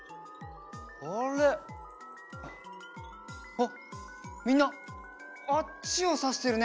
あっみんなあっちをさしてるね。